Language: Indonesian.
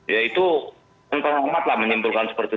ya itu untuk umat lah menyimpulkan seperti itu